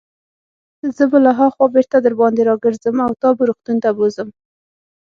زه به له هاخوا بیرته درباندې راګرځم او تا به روغتون ته بوزم.